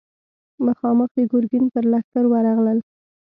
مخامخ د ګرګين پر لښکر ورغلل.